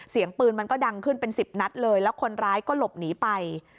เสียงปืนมันก็ดังขึ้นเป็นสิบนัดเลยแล้วคนร้ายก็หลบหนีไป